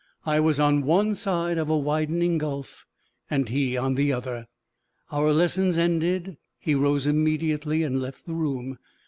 I was on one side of a widening gulf, and he on the other! Our lessons ended, he rose immediately and left the room.